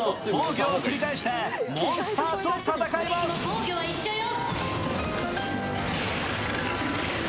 防御は一緒よ。